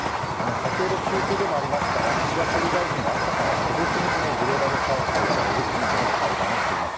先ほど中継でもありましたが、岸田総理大臣は朝から個別にこのグローバルサウスと呼ばれる国との会談をしています。